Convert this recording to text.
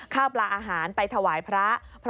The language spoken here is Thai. ข้าวปลาอาหารไปถวายพระ